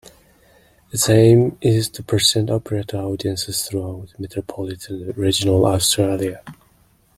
Its aim is to present opera to audiences throughout metropolitan and regional Australia.